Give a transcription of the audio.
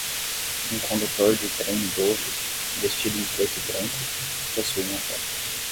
Um condutor de trem idoso? vestido em preto e branco? possui uma foto.